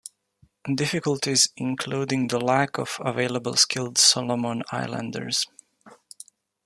Difficulties include the lack of available skilled Solomon Islanders.